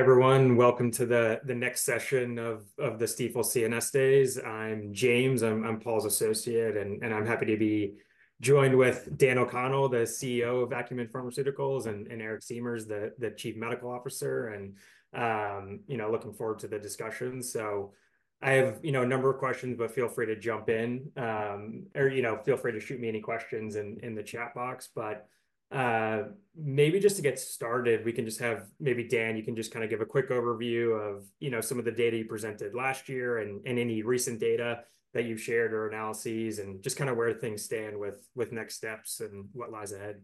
Hi everyone, welcome to the next session of the Stifel CNS Days. I'm James, I'm Paul's associate, and I'm happy to be joined with Dan O'Connell, the CEO of Acumen Pharmaceuticals, and Eric Siemers, the Chief Medical Officer. Looking forward to the discussion. I have a number of questions, but feel free to jump in. Feel free to shoot me any questions in the chat box. Maybe just to get started, we can just have maybe Dan, you can just kind of give a quick overview of some of the data you presented last year and any recent data that you've shared or analyses, and just kind of where things stand with next steps and what lies ahead.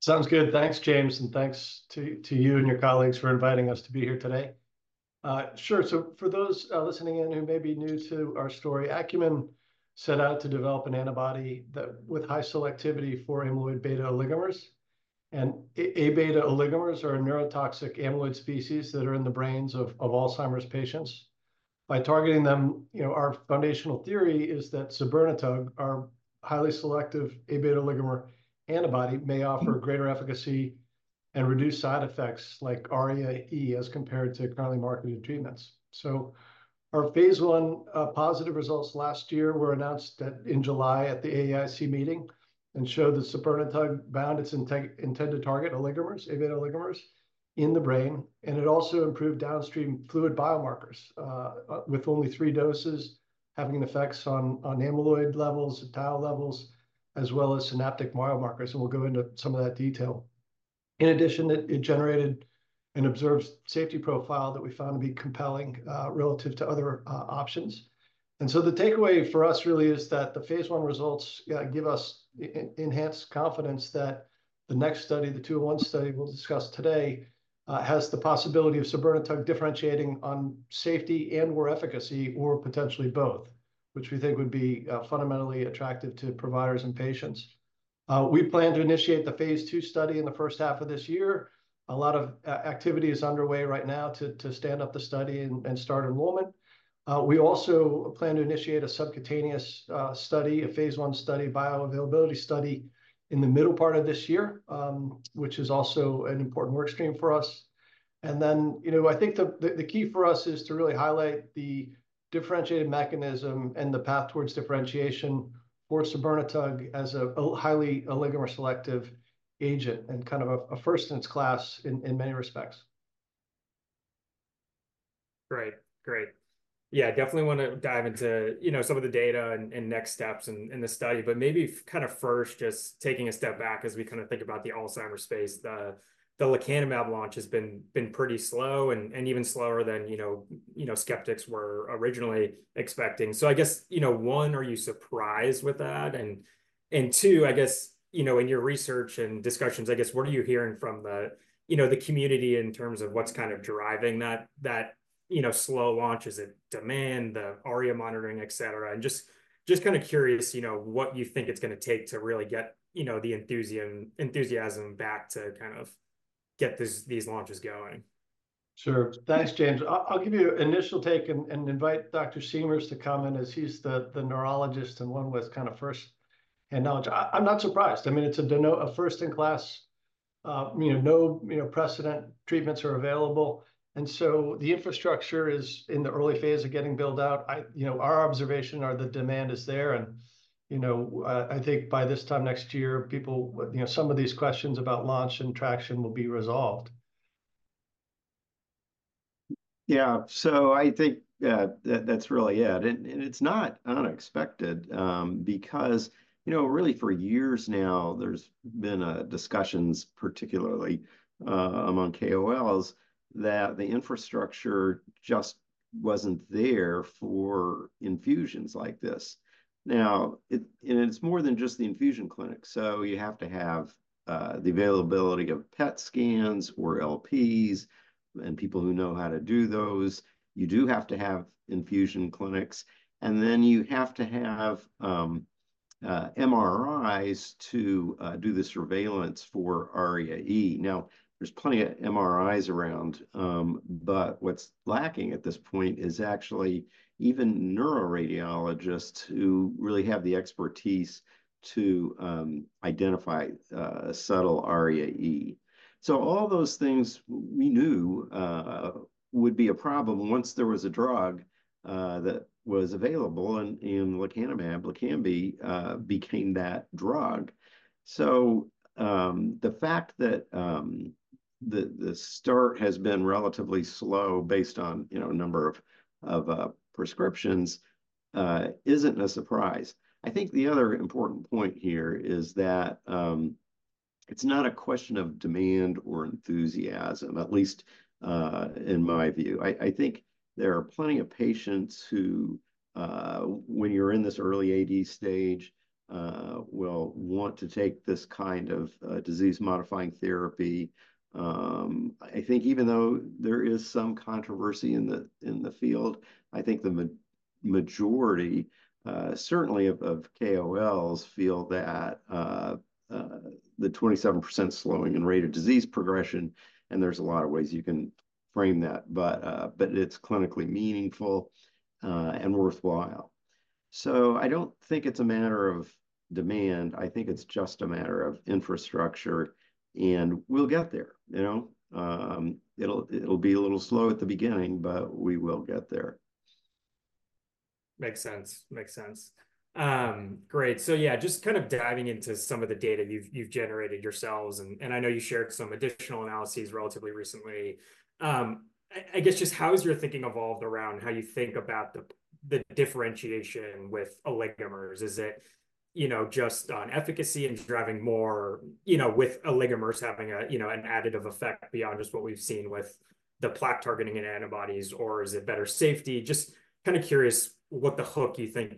Sounds good. Thanks, James, and thanks to you and your colleagues for inviting us to be here today. Sure. So for those listening in who may be new to our story, Acumen set out to develop an antibody with high selectivity for amyloid beta oligomers. A-beta oligomers are neurotoxic amyloid species that are in the brains of Alzheimer's patients. By targeting them, our foundational theory is that sabirnetug, our highly selective A-beta oligomer antibody, may offer greater efficacy and reduce side effects like ARIA-E as compared to currently marketed treatments. So our phase I positive results last year were announced in July at the AAIC meeting and showed that sabirnetug bound its intended target oligomers, A-beta oligomers, in the brain. It also improved downstream fluid biomarkers with only three doses, having an effect on amyloid levels, tau levels, as well as synaptic biomarkers. We'll go into some of that detail. In addition, it generated an observed safety profile that we found to be compelling relative to other options. So the takeaway for us really is that the phase I results give us enhanced confidence that the next study, the 201 study we'll discuss today, has the possibility of sabirnetug differentiating on safety and/or efficacy or potentially both, which we think would be fundamentally attractive to providers and patients. We plan to initiate the phase II study in the first half of this year. A lot of activity is underway right now to stand up the study and start enrollment. We also plan to initiate a subcutaneous study, a phase I study, bioavailability study in the middle part of this year, which is also an important workstream for us. And then I think the key for us is to really highlight the differentiated mechanism and the path towards differentiation for sabirnetug as a highly oligomer selective agent and kind of a first in its class in many respects. Great. Great. Yeah, definitely want to dive into some of the data and next steps in the study. But maybe kind of first just taking a step back as we kind of think about the Alzheimer's space, the lecanemab launch has been pretty slow and even slower than skeptics were originally expecting. So I guess, one, are you surprised with that? And two, I guess, in your research and discussions, I guess, what are you hearing from the community in terms of what's kind of driving that slow launch? Is it demand, the ARIA monitoring, et cetera? And just kind of curious what you think it's going to take to really get the enthusiasm back to kind of get these launches going. Sure. Thanks, James. I'll give you an initial take and invite Dr. Siemers to comment as he's the neurologist and one with kind of firsthand knowledge. I'm not surprised. I mean, it's a first-in-class, no precedent treatments are available. And so the infrastructure is in the early phase of getting built out. Our observation is the demand is there. And I think by this time next year, some of these questions about launch and traction will be resolved. Yeah. So I think that's really it. And it's not unexpected because really for years now, there's been discussions, particularly among KOLs, that the infrastructure just wasn't there for infusions like this. Now, and it's more than just the infusion clinic. So you have to have the availability of PET scans or LPs and people who know how to do those. You do have to have infusion clinics. And then you have to have MRIs to do the surveillance for ARIA-E. Now, there's plenty of MRIs around, but what's lacking at this point is actually even neuroradiologists who really have the expertise to identify a subtle ARIA-E. So all those things we knew would be a problem once there was a drug that was available and lecanemab became that drug. So the fact that the start has been relatively slow based on a number of prescriptions isn't a surprise. I think the other important point here is that it's not a question of demand or enthusiasm, at least in my view. I think there are plenty of patients who, when you're in this early AD stage, will want to take this kind of disease-modifying therapy. I think even though there is some controversy in the field, I think the majority, certainly of KOLs, feel that the 27% slowing in rate of disease progression, and there's a lot of ways you can frame that, but it's clinically meaningful and worthwhile. I don't think it's a matter of demand. I think it's just a matter of infrastructure. We'll get there. It'll be a little slow at the beginning, but we will get there. Makes sense. Makes sense. Great. So yeah, just kind of diving into some of the data you've generated yourselves, and I know you shared some additional analyses relatively recently. I guess just how has your thinking evolved around how you think about the differentiation with oligomers? Is it just on efficacy and driving more with oligomers having an additive effect beyond just what we've seen with the plaque targeting and antibodies, or is it better safety? Just kind of curious what the hook you think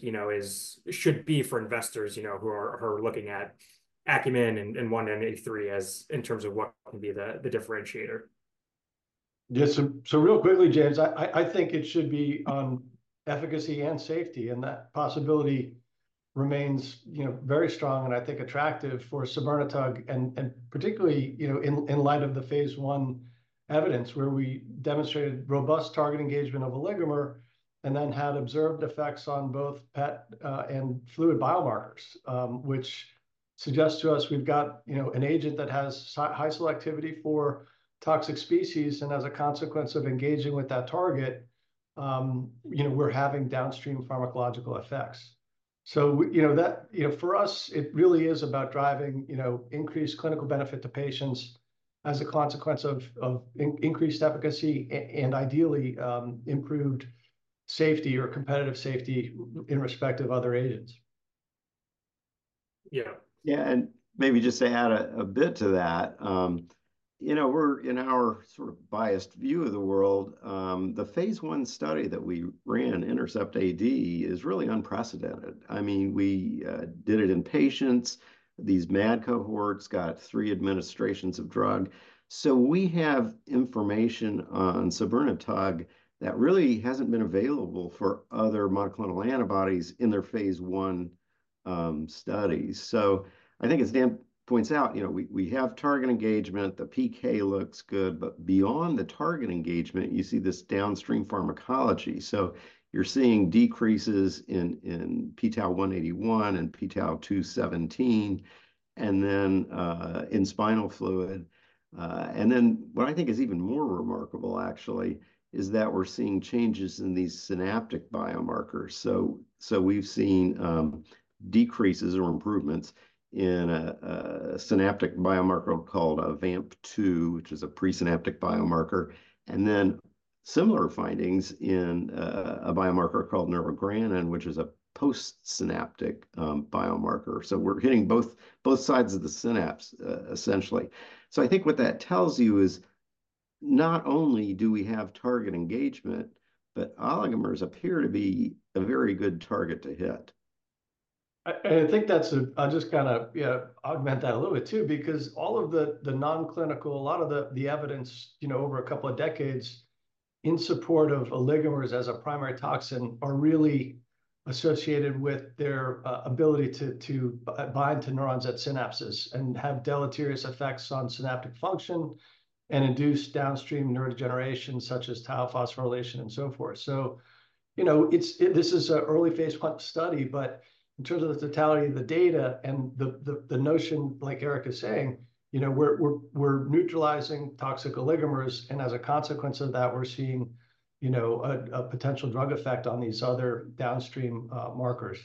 should be for investors who are looking at Acumen and ACU193 in terms of what can be the differentiator. Yeah. So real quickly, James, I think it should be on efficacy and safety. And that possibility remains very strong and I think attractive for sabirnetug, and particularly in light of the phase I evidence where we demonstrated robust target engagement of oligomer and then had observed effects on both PET and fluid biomarkers, which suggests to us we've got an agent that has high selectivity for toxic species. And as a consequence of engaging with that target, we're having downstream pharmacological effects. So for us, it really is about driving increased clinical benefit to patients as a consequence of increased efficacy and ideally improved safety or competitive safety in respect of other agents. Yeah. Yeah. And maybe just to add a bit to that, we're in our sort of biased view of the world. The phase I study that we ran, INTERCEPT-AD, is really unprecedented. I mean, we did it in patients. These MAD cohorts got three administrations of drug. So we have information on sabirnetug that really hasn't been available for other monoclonal antibodies in their phase I studies. So I think as Dan points out, we have target engagement. The PK looks good. But beyond the target engagement, you see this downstream pharmacology. So you're seeing decreases in pTau 181 and pTau 217. And then in spinal fluid. And then what I think is even more remarkable, actually, is that we're seeing changes in these synaptic biomarkers. So we've seen decreases or improvements in a synaptic biomarker called a VAMP2, which is a presynaptic biomarker. And then similar findings in a biomarker called neurogranin, which is a postsynaptic biomarker. So we're hitting both sides of the synapse, essentially. So I think what that tells you is not only do we have target engagement, but oligomers appear to be a very good target to hit. I think that's, I'll just kind of augment that a little bit too because all of the non-clinical, a lot of the evidence over a couple of decades in support of oligomers as a primary toxin are really associated with their ability to bind to neurons at synapses and have deleterious effects on synaptic function and induce downstream neurodegeneration such as tau phosphorylation and so forth. So this is an early phase I study, but in terms of the totality of the data and the notion, like Eric is saying, we're neutralizing toxic oligomers. And as a consequence of that, we're seeing a potential drug effect on these other downstream markers.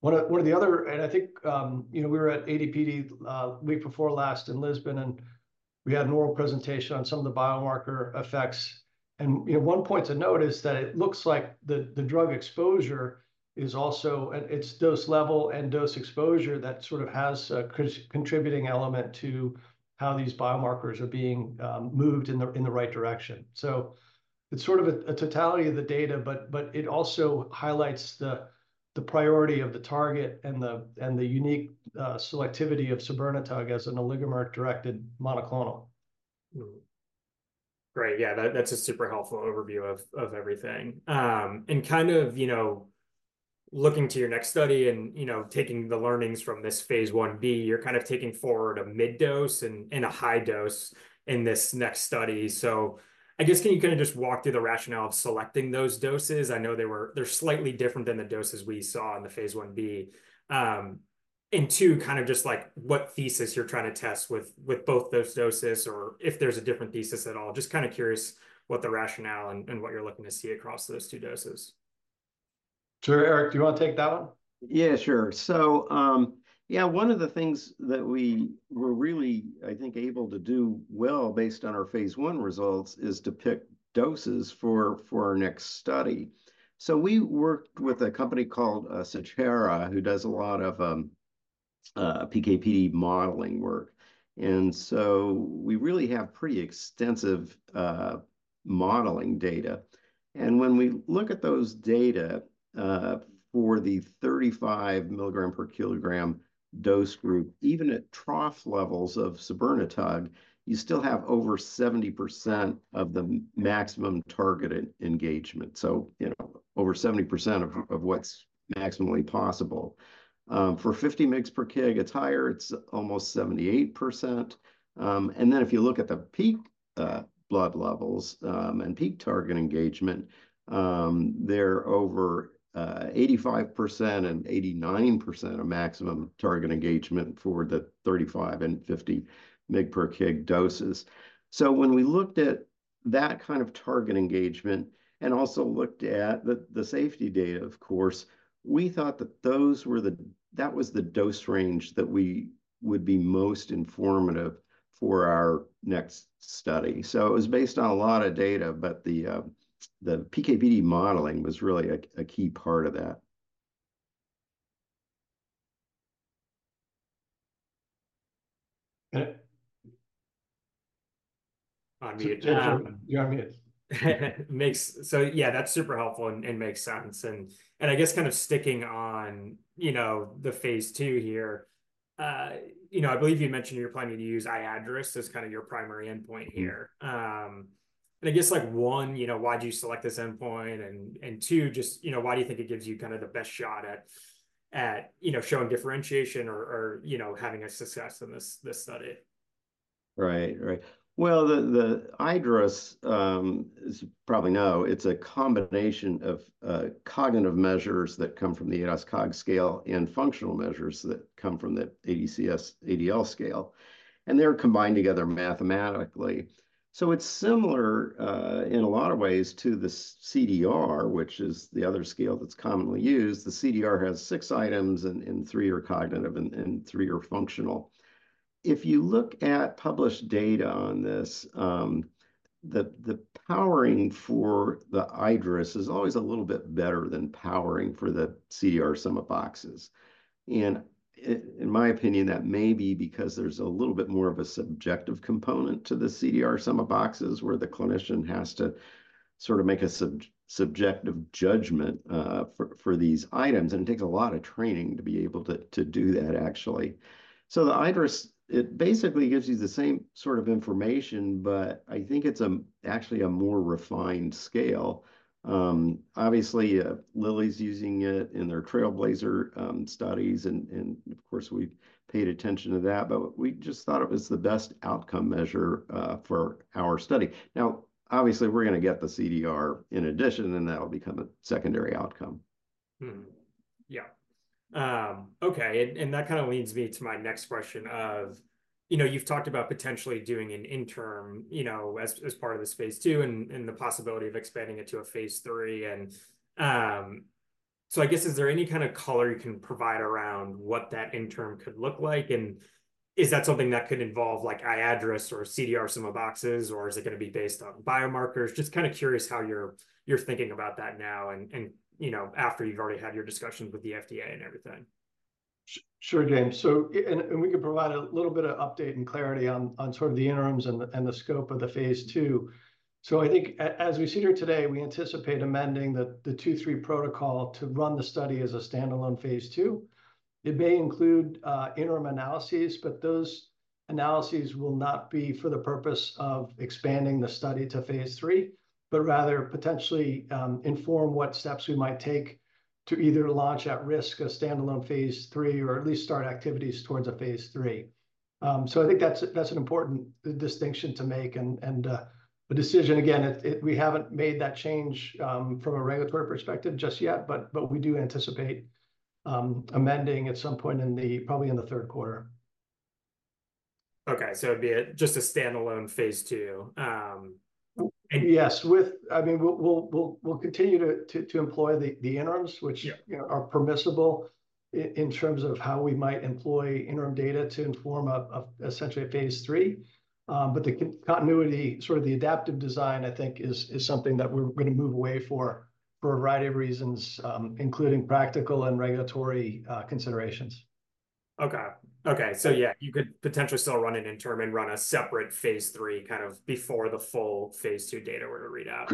One of the other and I think we were at AD/PD week before last in Lisbon, and we had an oral presentation on some of the biomarker effects. One point to note is that it looks like the drug exposure is also it's dose level and dose exposure that sort of has a contributing element to how these biomarkers are being moved in the right direction. So it's sort of a totality of the data, but it also highlights the priority of the target and the unique selectivity of sabirnetug as an oligomer-directed monoclonal. Great. Yeah, that's a super helpful overview of everything. Kind of looking to your next study and taking the learnings from this phase Ib, you're kind of taking forward a mid-dose and a high dose in this next study. So I guess can you kind of just walk through the rationale of selecting those doses? I know they're slightly different than the doses we saw in the phase Ib. Two, kind of just what thesis you're trying to test with both those doses or if there's a different thesis at all. Just kind of curious what the rationale and what you're looking to see across those two doses. Sure, Eric. Do you want to take that one? Yeah, sure. So yeah, one of the things that we were really, I think, able to do well based on our phase I results is to pick doses for our next study. So we worked with a company called Certara who does a lot of PKPD modeling work. And so we really have pretty extensive modeling data. And when we look at those data for the 35 mg/kg dose group, even at trough levels of sabirnetug, you still have over 70% of the maximum target engagement, so over 70% of what's maximally possible. For 50 mg/kg, it's higher. It's almost 78%. And then if you look at the peak blood levels and peak target engagement, they're over 85% and 89% of maximum target engagement for the 35 and 50 mg/kg doses. So when we looked at that kind of target engagement and also looked at the safety data, of course, we thought that that was the dose range that we would be most informative for our next study. So it was based on a lot of data, but the PKPD modeling was really a key part of that. On mute. You're on mute. So yeah, that's super helpful and makes sense. And I guess kind of sticking on the phase II here, I believe you mentioned you're planning to use iADRS as kind of your primary endpoint here. And I guess one, why'd you select this endpoint? And two, just why do you think it gives you kind of the best shot at showing differentiation or having a success in this study? Right. Right. Well, the iADRS, as you probably know, it's a combination of cognitive measures that come from the ADAS-Cog scale and functional measures that come from the ADCS-ADL scale. And they're combined together mathematically. So it's similar in a lot of ways to the CDR, which is the other scale that's commonly used. The CDR has six items, and three are cognitive and three are functional. If you look at published data on this, the powering for the iADRS is always a little bit better than powering for the CDR sum of boxes. And in my opinion, that may be because there's a little bit more of a subjective component to the CDR sum of boxes where the clinician has to sort of make a subjective judgment for these items. And it takes a lot of training to be able to do that, actually. So the iADRS, it basically gives you the same sort of information, but I think it's actually a more refined scale. Obviously, Lilly's using it in their TRAILBLAZER studies, and of course, we paid attention to that, but we just thought it was the best outcome measure for our study. Now, obviously, we're going to get the CDR in addition, and that'll become a secondary outcome. Yeah. Okay. And that kind of leads me to my next question of you've talked about potentially doing an interim as part of this phase II and the possibility of expanding it to a phase III. And so I guess, is there any kind of color you can provide around what that interim could look like? And is that something that could involve iADRS or CDR sum of boxes, or is it going to be based on biomarkers? Just kind of curious how you're thinking about that now and after you've already had your discussions with the FDA and everything. Sure, James. And we can provide a little bit of update and clarity on sort of the interims and the scope of the phase II. So I think as we sit here today, we anticipate amending the 2/3 protocol to run the study as a standalone phase II. It may include interim analyses, but those analyses will not be for the purpose of expanding the study to phase III, but rather potentially inform what steps we might take to either launch at risk a standalone phase III or at least start activities towards a phase III. So I think that's an important distinction to make and a decision. Again, we haven't made that change from a regulatory perspective just yet, but we do anticipate amending at some point probably in the third quarter. Okay. So it'd be just a standalone phase II. Yes. I mean, we'll continue to employ the interims, which are permissible in terms of how we might employ interim data to inform essentially a phase III. But the continuity, sort of the adaptive design, I think is something that we're going to move away for a variety of reasons, including practical and regulatory considerations. Okay. Okay. So yeah, you could potentially still run an interim and run a separate phase III kind of before the full phase II data were to read out.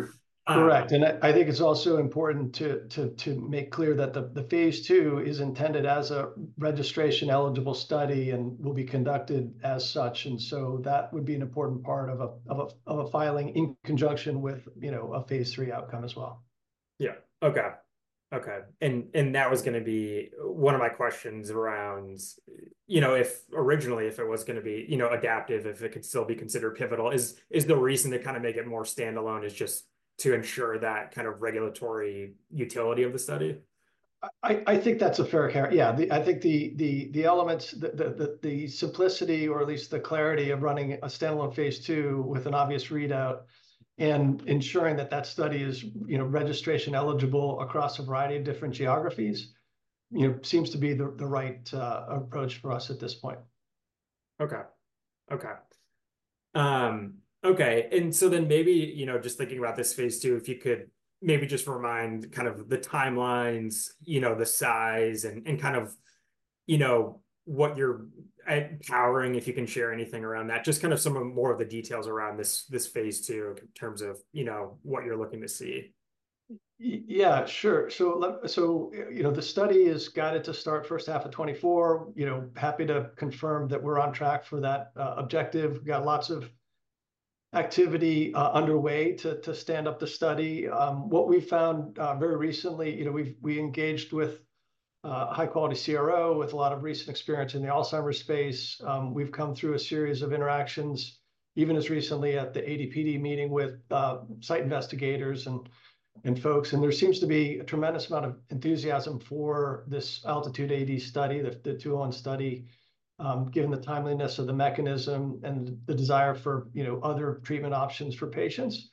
Correct. And I think it's also important to make clear that the phase II is intended as a registration-eligible study and will be conducted as such. And so that would be an important part of a filing in conjunction with a phase III outcome as well. Yeah. Okay. Okay. And that was going to be one of my questions around if originally, if it was going to be adaptive, if it could still be considered pivotal. Is the reason to kind of make it more standalone just to ensure that kind of regulatory utility of the study? I think that's a fair yeah. I think the elements, the simplicity, or at least the clarity of running a standalone phase II with an obvious readout and ensuring that that study is registration-eligible across a variety of different geographies seems to be the right approach for us at this point. Okay. Okay. Okay. And so then, maybe just thinking about this phase II, if you could maybe just remind kind of the timelines, the size, and kind of what you're powering, if you can share anything around that, just kind of some of more of the details around this phase II in terms of what you're looking to see? Yeah, sure. So the study has got it to start first half of 2024. Happy to confirm that we're on track for that objective. Got lots of activity underway to stand up the study. What we've found very recently, we engaged with high-quality CRO with a lot of recent experience in the Alzheimer's space. We've come through a series of interactions, even as recently at the AD/PD meeting with site investigators and folks. And there seems to be a tremendous amount of enthusiasm for this ALTITUDE-AD study, the 201 study, given the timeliness of the mechanism and the desire for other treatment options for patients.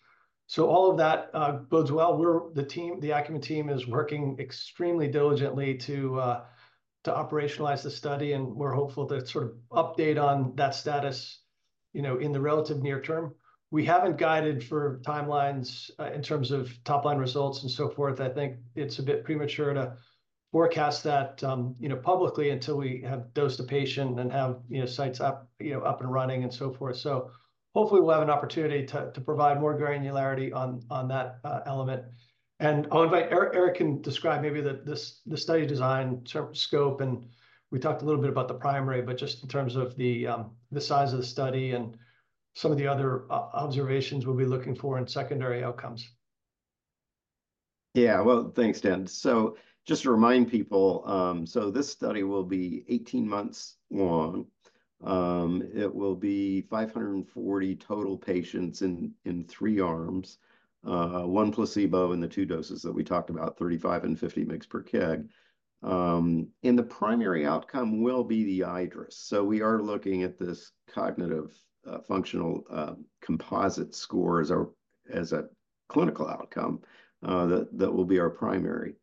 So all of that bodes well. The Acumen team is working extremely diligently to operationalize the study, and we're hopeful to sort of update on that status in the relative near term. We haven't guided for timelines in terms of top-line results and so forth. I think it's a bit premature to forecast that publicly until we have dosed a patient and have sites up and running and so forth. So hopefully, we'll have an opportunity to provide more granularity on that element. And I'll invite Eric to describe maybe the study design scope and we talked a little bit about the primary, but just in terms of the size of the study and some of the other observations we'll be looking for in secondary outcomes. Yeah. Well, thanks, Dan. So just to remind people, this study will be 18 months long. It will be 540 total patients in three arms, one placebo in the two doses that we talked about, 35 and 50 mg/kg. And the primary outcome will be the iADRS. So we are looking at this cognitive functional composite score as a clinical outcome that will be our primary.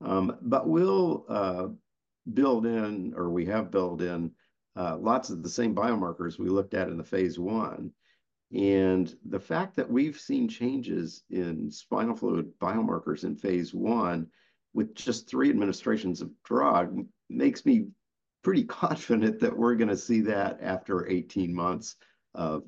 But we'll build in, or we have built in, lots of the same biomarkers we looked at in the phase I. And the fact that we've seen changes in spinal fluid biomarkers in phase I with just three administrations of drug makes me pretty confident that we're going to see that after 18 months of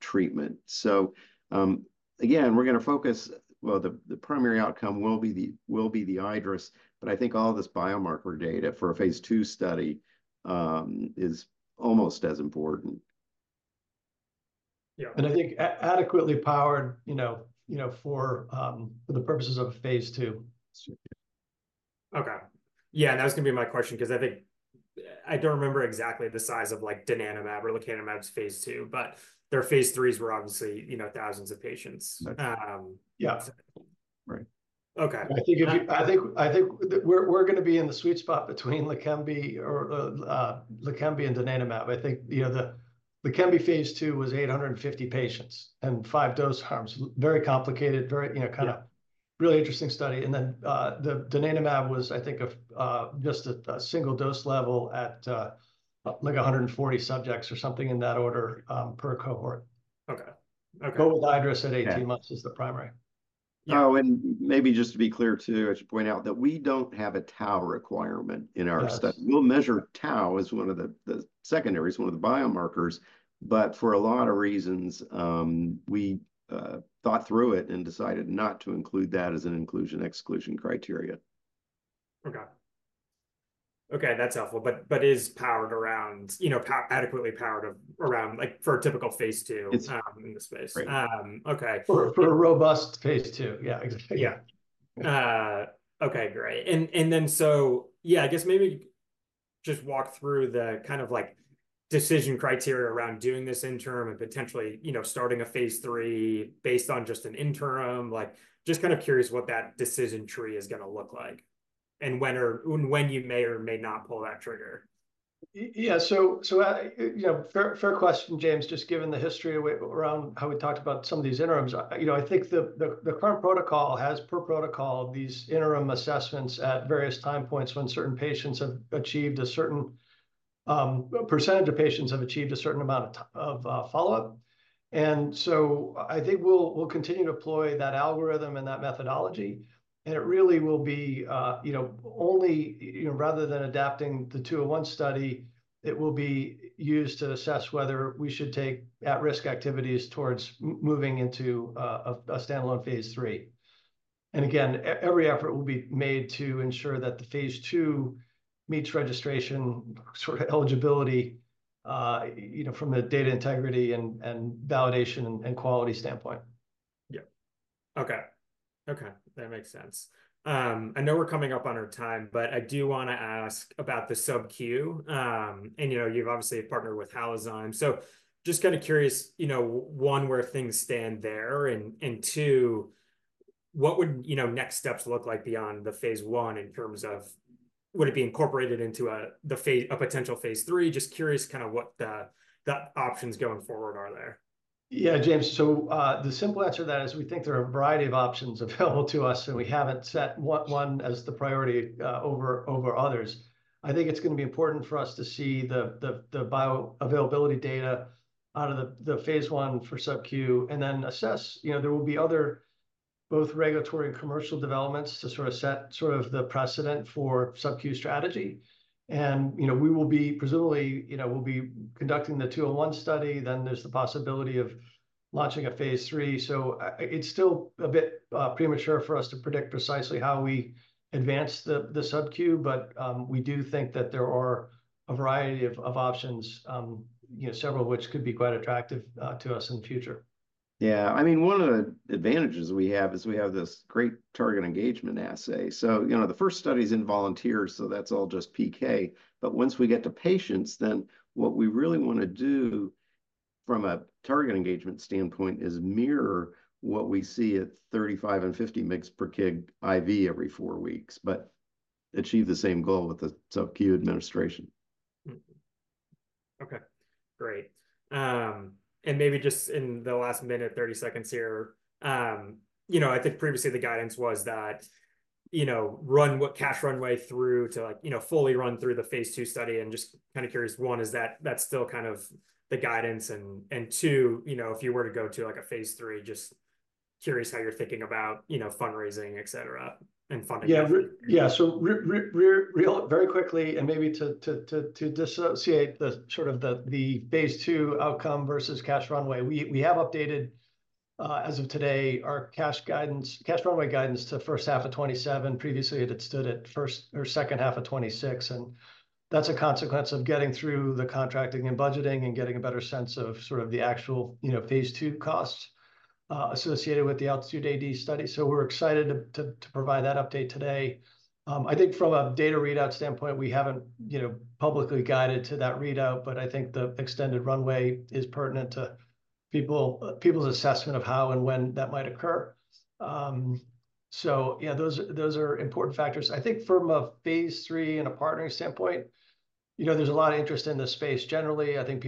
treatment. So again, we're going to focus, well, the primary outcome will be the iADRS, but I think all this biomarker data for a phase II study is almost as important. Yeah. I think adequately powered for the purposes of a phase II. Okay. Yeah. That was going to be my question because I think I don't remember exactly the size of donanemab or lecanemab's phase II, but their phase IIIs were obviously thousands of patients. Yeah. Right. Okay. I think we're going to be in the sweet spot between Leqembi and donanemab. I think the Leqembi phase II was 850 patients and five dose arms. Very complicated, kind of really interesting study. Then the donanemab was, I think, just a single dose level at like 140 subjects or something in that order per cohort. With iADRS at 18 months is the primary. Oh, and maybe just to be clear too, I should point out that we don't have a Tau requirement in our study. We'll measure Tau as one of the secondaries, one of the biomarkers. But for a lot of reasons, we thought through it and decided not to include that as an inclusion/exclusion criteria. Okay. Okay. That's helpful. But is adequately powered for a typical phase II in this space? Okay. For a robust phase II. Yeah, exactly. Yeah. Okay. Great. And then so, yeah, I guess maybe just walk through the kind of decision criteria around doing this interim and potentially starting a phase III based on just an interim. Just kind of curious what that decision tree is going to look like and when you may or may not pull that trigger. Yeah. So fair question, James. Just given the history around how we talked about some of these interims, I think the current protocol has per protocol these interim assessments at various time points when certain patients have achieved a certain percentage of patients have achieved a certain amount of follow-up. And so I think we'll continue to deploy that algorithm and that methodology. And it really will be only rather than adapting the 201 study, it will be used to assess whether we should take at-risk activities towards moving into a standalone phase III. And again, every effort will be made to ensure that the phase II meets registration sort of eligibility from a data integrity and validation and quality standpoint. Yeah. Okay. Okay. That makes sense. I know we're coming up on our time, but I do want to ask about the sub-Q. And you've obviously partnered with Halozyme. So just kind of curious, one, where things stand there, and two, what would next steps look like beyond the phase I in terms of would it be incorporated into a potential phase III? Just curious kind of what the options going forward are there. Yeah, James. So the simple answer to that is we think there are a variety of options available to us, and we haven't set one as the priority over others. I think it's going to be important for us to see the bioavailability data out of the phase I for sub-Q and then assess there will be other both regulatory and commercial developments to sort of set sort of the precedent for sub-Q strategy. And we'll be conducting the 201 study. Then there's the possibility of launching a phase III. So it's still a bit premature for us to predict precisely how we advance the sub-Q, but we do think that there are a variety of options, several of which could be quite attractive to us in the future. Yeah. I mean, one of the advantages we have is we have this great target engagement assay. So the first study is in volunteers, so that's all just PK. But once we get to patients, then what we really want to do from a target engagement standpoint is mirror what we see at 35 and 50 mg/kg IV every four weeks, but achieve the same goal with the sub-Q administration. Okay. Great. And maybe just in the last minute, 30 seconds here, I think previously the guidance was that we have cash runway through to fully run through the phase II study. And just kind of curious, one, is that still kind of the guidance? And two, if you were to go to a phase III, just curious how you're thinking about fundraising, etc., and funding? Yeah. Yeah. So very quickly, and maybe to dissociate sort of the phase II outcome versus cash runway, we have updated as of today our cash runway guidance to first half of 2027. Previously, it had stood at first or second half of 2026. And that's a consequence of getting through the contracting and budgeting and getting a better sense of sort of the actual phase II costs associated with the ALTITUDE-AD study. So we're excited to provide that update today. I think from a data readout standpoint, we haven't publicly guided to that readout, but I think the extended runway is pertinent to people's assessment of how and when that might occur. So yeah, those are important factors. I think from a phase III and a partnering standpoint, there's a lot of interest in this space generally. I think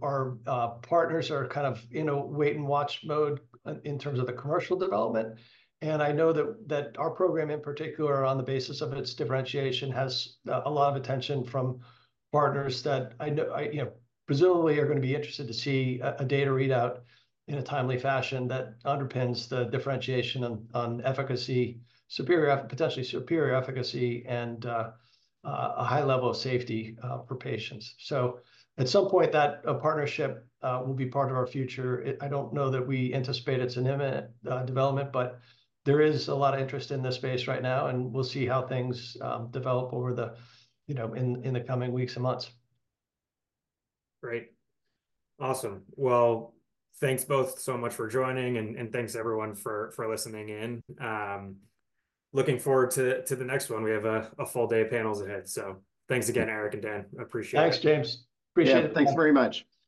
partners are kind of in a wait-and-watch mode in terms of the commercial development. And I know that our program in particular, on the basis of its differentiation, has a lot of attention from partners that presumably are going to be interested to see a data readout in a timely fashion that underpins the differentiation on potentially superior efficacy and a high level of safety for patients. So at some point, that partnership will be part of our future. I don't know that we anticipate it's an imminent development, but there is a lot of interest in this space right now, and we'll see how things develop in the coming weeks and months. Great. Awesome. Well, thanks both so much for joining, and thanks everyone for listening in. Looking forward to the next one. We have a full day of panels ahead. So thanks again, Eric and Dan. Appreciate it. Thanks, James. Appreciate it. Thanks very much.